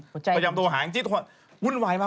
พยายามโทรหาแองจี้วุ่นวายมาก